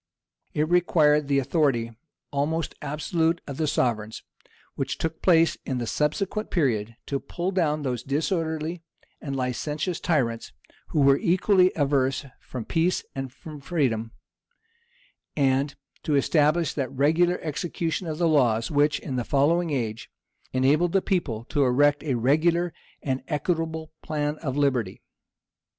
It required the authority almost absolute of the sovereigns, which took place in the subsequent period, to pull down those disorderly and licentious tyrants, who were equally averse from peace and from freedom, and to establish that regular execution of the laws, which, in a following age, enabled the people to erect a regular and equitable plan of liberty.